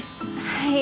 はい。